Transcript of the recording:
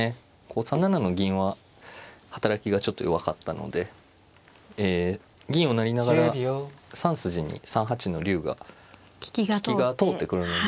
３七の銀は働きがちょっと弱かったので銀を成りながら３筋に３八の竜が利きが通ってくるので。